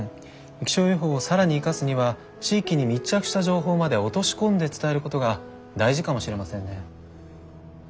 気象予報を更に生かすには地域に密着した情報まで落とし込んで伝えることが大事かもしれませんね。